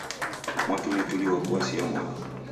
Mwatulituli wapo wasia modo.